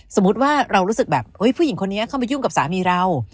สมมุติว่าเรารู้สึกแบบผู้หญิงคนนี้เข้ามายุ่งกับสามีเรา